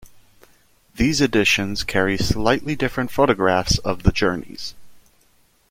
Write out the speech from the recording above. These editions carry slightly different photographs of the journeys.